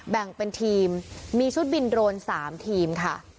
แบ่งเป็นทีมมีชุดบินโดรน๓ทีมค่ะ